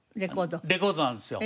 レコードなんですよ。